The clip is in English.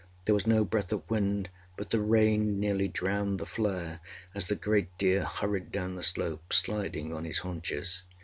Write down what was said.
There was no breath of wind, but the rain nearly drowned the flare as the great deer hurried down the slope, sliding on his haunches.